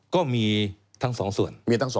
ก็มีทั้ง๒ส่วน